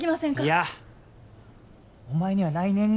いやお前には来年がある。